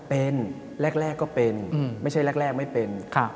เป็นแรกก็เป็นไม่ใช่แรกไม่เป็น